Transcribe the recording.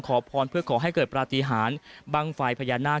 ขอพรเพื่อขอให้เกิดปฏิหารบ้างไฟพญานาค